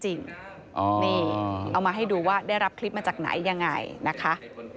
นี่เอามาให้ดูว่าได้รับคลิปมาจากไหนยังไงนะคะ